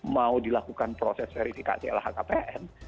mau dilakukan proses verifikasi lhkpn